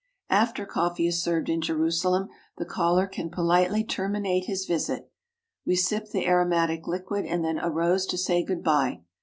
After coffee is served in Jerusalem the caller can po 105 THE HOLY LAND AND SYRIA litely terminate his visit. We sipped the aromatic liquid and then arose to say good bye.